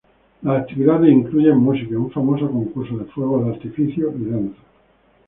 Las actividades incluyen música, un famoso concurso de fuegos de artificio y danza.